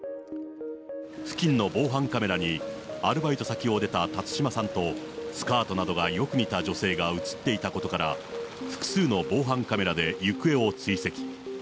付近の防犯カメラにアルバイト先を出た辰島さんとスカートなどがよく似た女性が写っていたことから、複数の防犯カメラで行方を追跡。